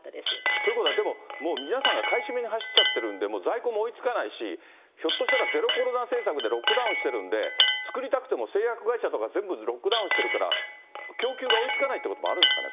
ということは、でももう皆さんが買い占めに走っちゃってるんで、在庫も追いつかないし、ひょっとしたらゼロコロナ政策でロックダウンしてるんで、作りたくても製薬会社が全部ロックダウンしてるから、供給が追いつかないということもあるんですかね？